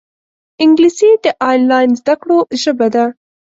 انګلیسي د آنلاین زده کړو ژبه ده